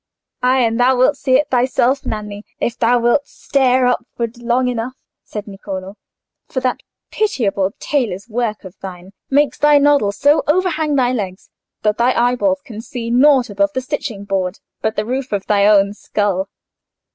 "Ay, and thou wilt see it thyself, Nanni, if thou wilt stare upward long enough," said Niccolò; "for that pitiable tailor's work of thine makes thy noddle so overhang thy legs, that thy eyeballs can see nought above the stitching board but the roof of thy own skull."